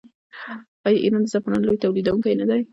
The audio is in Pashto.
آیا ایران د زعفرانو لوی تولیدونکی نه دی؟